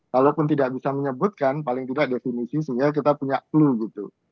kalaupun tidak bisa menyebutkan paling tidak definisi sehingga kita punya clue gitu